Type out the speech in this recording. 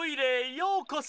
ようこそ！